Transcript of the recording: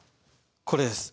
これです。